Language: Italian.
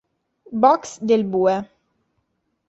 Boxe del Bue.